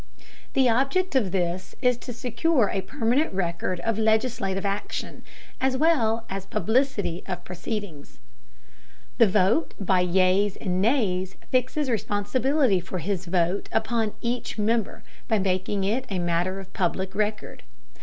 The object of this is to secure a permanent record of legislative action, as well as publicity of proceedings. The vote by yeas and nays fixes responsibility for his vote upon each member by making it a matter of public record.